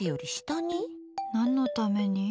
何のために？